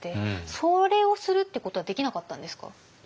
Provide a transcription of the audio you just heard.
それをするってことはできなかったんですか？